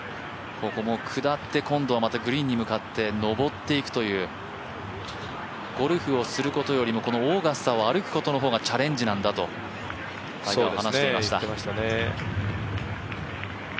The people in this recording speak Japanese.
ここも下って、今度はグリーンに向かって上っていくという、ゴルフをすることよりもオーガスタを歩くことの方がチャレンジなんだとタイガーは話していました。